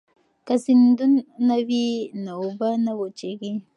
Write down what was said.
که سیندونه وي نو اوبه نه وچېږي.